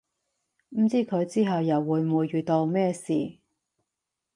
唔知佢之後又會唔會遇到咩事